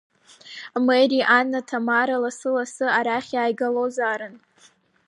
Мери, Анна, Ҭамара лассы-лассы арахь иааигалозаарын.